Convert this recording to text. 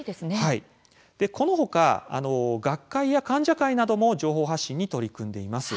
この他学会や患者会なども情報発信に取り組んでいます。